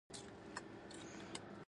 نرمو زړونو ته زیات ضرورت لرو.